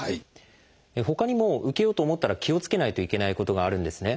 ほかにも受けようと思ったら気をつけないといけないことがあるんですね。